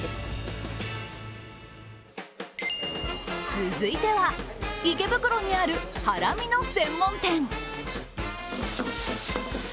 続いては、池袋にあるハラミの専門店。